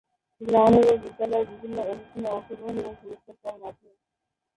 গ্রামে বা বিদ্যালয়ের বিভিন্ন অনুষ্ঠানে অংশগ্রহণ এবং পুরস্কার পাওয়ার মাধ্যমে।